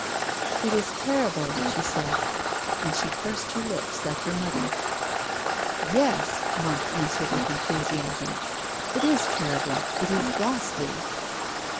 " It is terrible," she said. And she pursed her lips like her mother. " Yes," Mark answered, with enthusiasm. " It is terrible. It is ghastly."